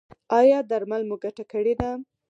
ایا درمل مو ګټه کړې ده؟